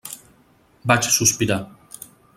Vaig sospirar.